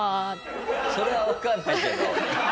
それはわかんないけど。